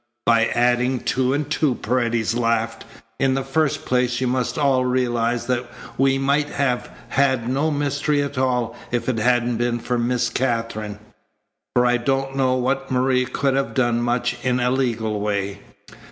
"By adding two and two," Paredes laughed. "In the first place, you must all realize that we might have had no mystery at all if it hadn't been for Miss Katherine. For I don't know that Maria could have done much in a legal way.